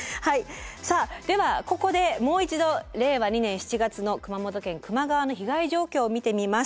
さあではここでもう一度令和２年７月の熊本県球磨川の被害状況を見てみます。